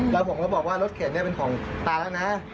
แล้วผมก็บอกว่ารถเข็นเป็นของตาแล้วนะ